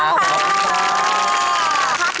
ขอบคุณค่ะ